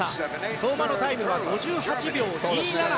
相馬のタイムは５８秒２７。